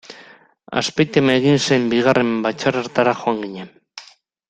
Azpeitian egin zen bigarren batzar hartara joan ginen.